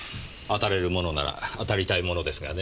当たれるものなら当たりたいものですがねえ。